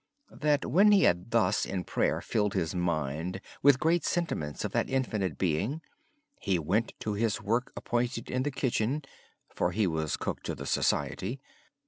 When he had thus, in prayer, filled his mind with great sentiments of that Infinite Being, he went to his work appointed in the kitchen (for he was then cook for the community).